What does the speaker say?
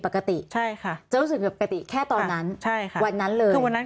ปกติใช่ค่ะจะรู้สึกแบบปกติแค่ตอนนั้นใช่ค่ะวันนั้นเลยคือวันนั้น